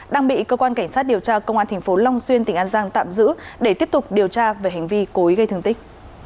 đang bị cơ quan cảnh sát điều tra công an thành phố long xuyên tỉnh an giang tạm giữ để tiếp tục điều tra về hành vi cối gây thương tích